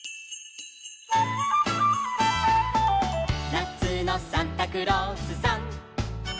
「なつのサンタクロースさん」